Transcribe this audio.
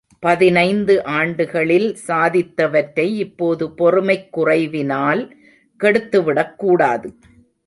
பதினைந்து ஆண்டுகளில் சாதித்தவற்றை இப்போது பொறுமைக் குறைவினால் கெடுத்துவிடக் கூடாது.